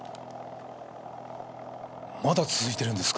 まだ続いてるんですか